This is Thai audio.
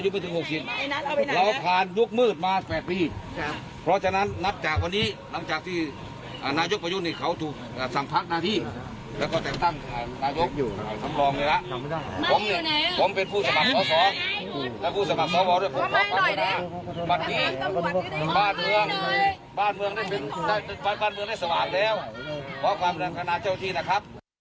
บ้านเมืองได้สวามแล้วขอบความนำนะฮะ